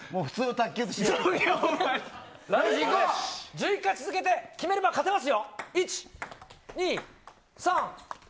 １１回続けて決めれば勝てます。